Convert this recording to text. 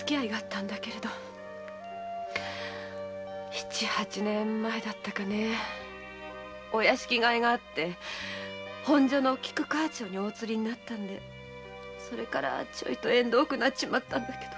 七八年前だったかねお屋敷替えがあって本所の菊川町にお移りになったんでちょいと縁遠くなっちまったんだけど。